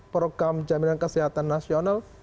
program jaminan kesehatan nasional